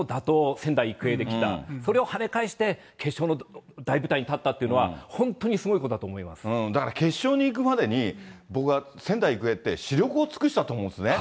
仙台育英で来た、それをはね返して決勝の大舞台に立ったというのは本当にすごいこだから決勝に行くまでに、僕は仙台育英って死力を尽くしたと思うんですね。